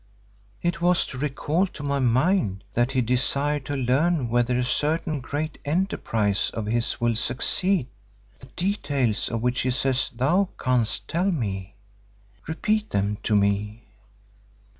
"It was to recall to my mind that he desired to learn whether a certain great enterprise of his will succeed, the details of which he says thou canst tell me. Repeat them to me."